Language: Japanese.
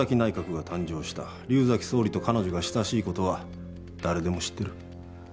竜崎総理と彼女が親しいことは誰でも知ってる。